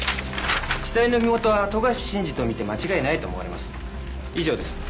死体の身元は富樫慎二と見て間違いないと思われます以上です